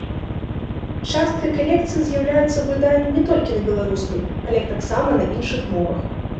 Часткай калекцыі з'яўляюцца выданні не толькі на беларускай, але таксама на іншых мовах.